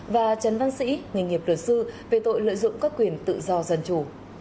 và trần văn sĩ nghề nghiệp luật sư về tội lợi dụng các quyền tự do dân chủ